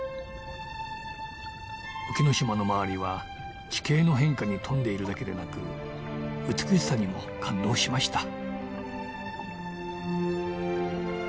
沖ノ島の周りは地形の変化に富んでいるだけでなく美しさにも感動しました。